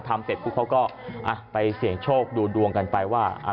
ทัมเป็นพวกเขาก็ไปเสียงโชคดูดวงกันไปว่า